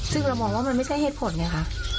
ซึ่งเรามองว่ามันไม่ใช่เหตุผลไงคะ